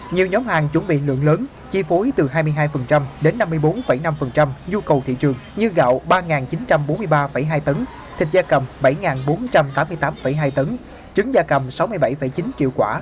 nhiều nhóm hàng chuẩn bị lượng lớn chi phối từ hai mươi hai đến năm mươi bốn năm nhu cầu thị trường như gạo ba chín trăm bốn mươi ba hai tấn thịt da cầm bảy bốn trăm tám mươi tám hai tấn trứng da cầm sáu mươi bảy chín triệu quả